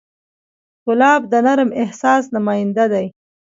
ګلاب د نرم احساس نماینده دی.